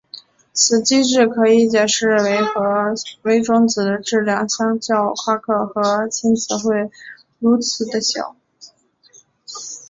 此机制可以解释为何微中子的质量相较夸克和轻子会如此地小。